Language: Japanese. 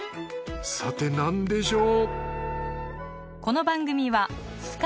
さてなんでしょう？